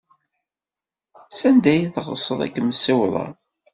Sanda ay teɣsed ad kem-ssiwḍeɣ.